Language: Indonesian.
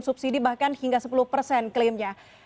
subsidi bahkan hingga sepuluh persen klaimnya